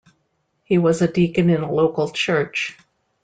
He was a deacon in a local church.